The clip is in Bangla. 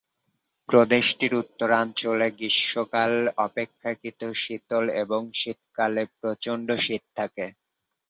প্রদেশটির উত্তরাঞ্চলে গ্রীষ্মকাল অপেক্ষাকৃত শীতল এবং শীতকালে প্রচণ্ড শীত থাকে।